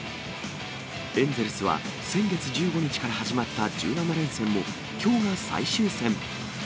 エンゼルスは先月１５日から始まった１７連戦もきょうが最終戦。